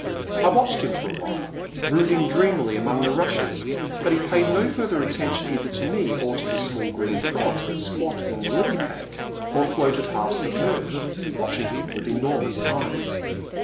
I watched him for awhile, brooding dreamily among the rushes, but he paid no further attention either to me or to the small green frogs that squatted on the lily pads or floated half submerged, watching him with enor mous eyes.